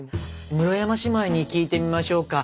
室山姉妹に聞いてみましょうか。